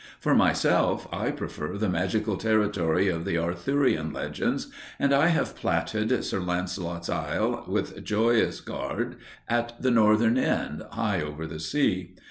For myself, I prefer the magical territory of the Arthurian legends, and I have platted Sir Launcelot's Isle, with Joyous Gard at the northern end, high over the sea.